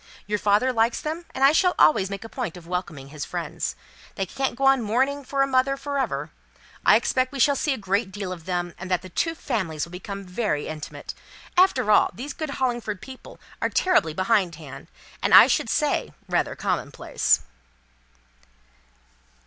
Your father likes them, and I shall always make a point of welcoming his friends. They can't go on mourning for a mother for ever. I expect we shall see a great deal of them; and that the two families will become very intimate. After all, these good Hollingford people are terribly behindhand, and I should say, rather commonplace."